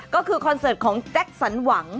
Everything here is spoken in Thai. ก็คือคอนเสิร์ตของแจ็คสันหวัง